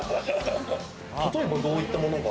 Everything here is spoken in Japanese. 例えばどういったものが？